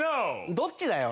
どっちだよ？